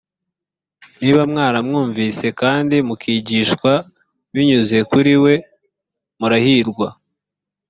niba mwaramwumvise kandi mukigishwa binyuze kuri we murahirwa